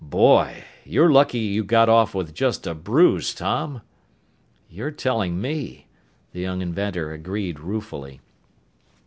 "Boy! You're lucky you got off with just a bruise, Tom!" "You're telling me," the young inventor agreed ruefully.